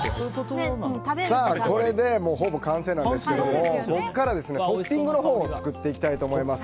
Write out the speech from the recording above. これでほぼ完成なんですがここからトッピングを作っていきたいと思います。